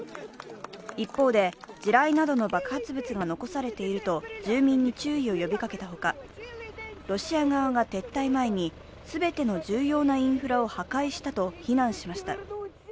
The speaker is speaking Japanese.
一方で、地雷などの爆発物が残されていると住民に注意を呼びかけたほか、ロシア側が撤退前に全ての重要なインフラを破壊したと非難しました。